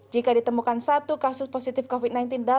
jika ditemukan satu kasus positif covid sembilan belas